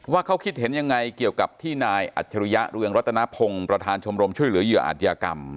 ว่าเขาคิดเห็นยังไงเกี่ยวกับที่นายอัจฉริยะเรืองรัตนพงศ์ประธานชมรมช่วยเหลือเหยื่ออาจยากรรม